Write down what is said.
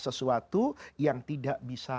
sesuatu yang tidak bisa